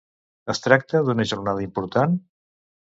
Es tracta d'una jornada important?